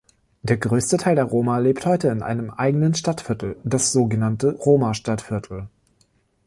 Der größte Teil der Roma lebt heute in einem eigenen Stadtviertel, das sogenannte Roma-Stadtviertel.